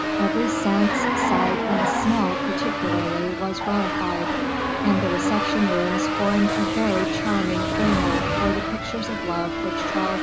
Every sense, sight and smell particularly, was gratified, and the reception rooms formed a very charming framework for the pictures of love which Charles II.